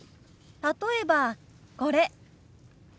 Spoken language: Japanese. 例えばこれ。